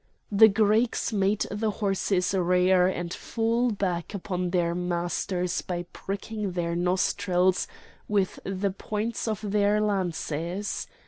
The Greeks made the horses rear and fall back upon their masters by pricking their nostrils with the points of their lances.